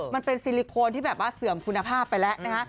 มันเป็นซิลิโคนที่แบบว่าเสื่อมคุณภาพไปแล้วนะฮะ